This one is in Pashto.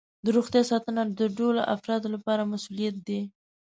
د روغتیا ساتنه د ټولو افرادو لپاره مسؤولیت دی.